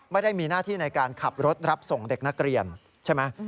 ไม่ได้มีหน้าที่ในการขับรถรับส่งเด็กนักเรียนใช่ไหม